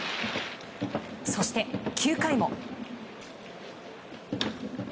そして、９回も。